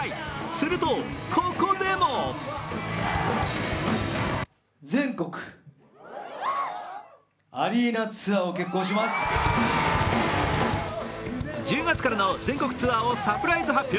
すると、ここでも１０月からの全国ツアーをサプライズ発表。